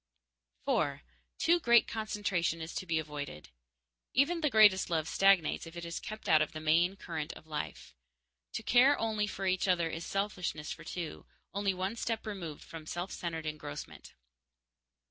_4. Too great concentration is to be avoided. Even the greatest love stagnates if it is kept out of the main current of life. To care only for each other is selfishness for two, only one step removed from self centered engrossment.